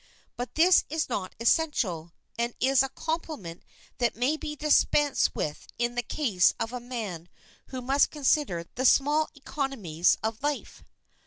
But this is not essential, and is a compliment that may be dispensed with in the case of a man who must consider the small economies of life.